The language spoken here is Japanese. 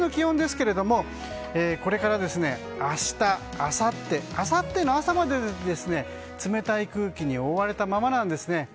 上空の気温ですけれどもこれから明日、あさってあさっての朝まで冷たい空気に覆われたままなんですね。